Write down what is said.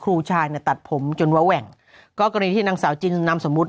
ครูชายเนี่ยตัดผมจนเว้าแหว่งก็กรณีที่นางสาวจินนามสมมุติ